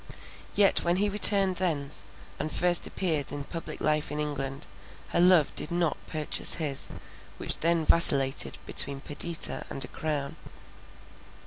Yet when he returned thence, and first appeared in public life in England, her love did not purchase his, which then vacillated between Perdita and a crown.